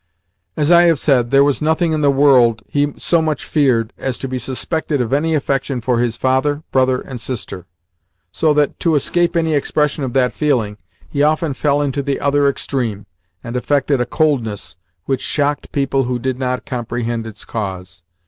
As I have said, there was nothing in the world he so much feared as to be suspected of any affection for his father, brother, and sister; so that, to escape any expression of that feeling, he often fell into the other extreme, and affected a coldness which shocked people who did not comprehend its cause.